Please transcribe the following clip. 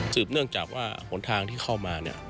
เนื่องจากว่าหนทางที่เข้ามาเนี่ย